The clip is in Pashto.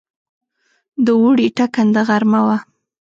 د اوړي ټکنده غرمه وه.